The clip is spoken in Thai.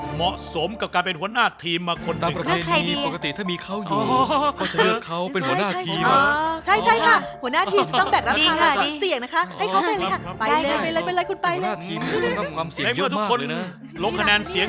เหมาะสมกับการเป็นหัวหน้าทีมมาคนหนึ่ง